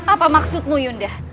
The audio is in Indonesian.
apa maksudmu yunda